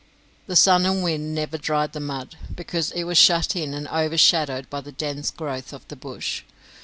The sun and wind never dried the mud, because it was shut in and overshadowed by the dense growth of the bush.